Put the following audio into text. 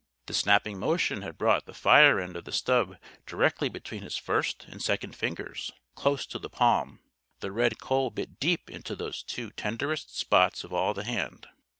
The snapping motion had brought the fire end of the stub directly between his first and second fingers, close to the palm. The red coal bit deep into those two tenderest spots of all the hand.